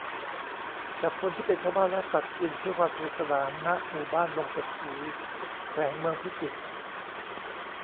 จับคนที่เป็นชาวบ้านและสัตว์กินเพื่อความสนุกสนาน ณ หมู่บ้านดงเศรษฐี แขวงเมืองพิจิตร